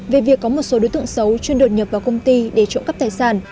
về việc có một số đối tượng xấu chuyên đột nhập vào công ty để trộm cắp tài sản